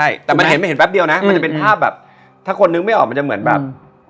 แล้วมันเห็นแปบเดียวนะมันจะเป็นภาพแบบถ้าคนนึกไม่ออกมันจะเหมือนแบบ